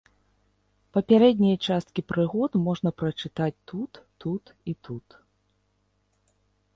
Папярэднія часткі прыгод можна прачытаць тут, тут і тут.